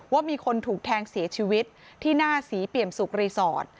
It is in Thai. ว่ามีคนถูกแทงเสียชีวิตที่หน้าศรีเปี่ยมสุกรีสอร์ท